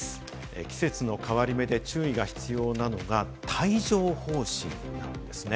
季節の変わり目で注意が必要なのが帯状疱疹なんですね。